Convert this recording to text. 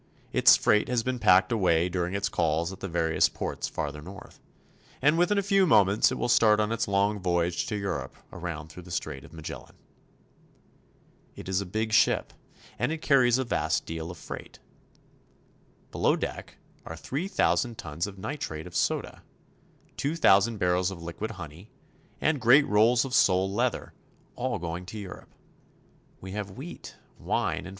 Its freight has been packed away '" In the tunnels we see half naked miners." during its calls at the various ports farther north, and within a few moments it will start on its long voyage to Europe around through the Strait of Magellan. It is a big ship, and it carries a vast deal of freight. Below deck are three thousand tons of nitrate of soda, two thousand barrels of liquid honey, and great rolls of sole leather, all going to Europe. We have wheat, wine, and COAL MINES.